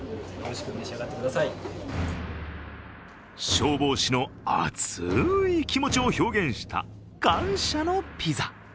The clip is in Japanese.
消防士の熱い気持ちを表現した感謝のピザ。